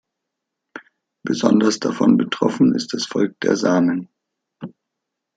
Besonders davon betroffen ist das Volk der Samen.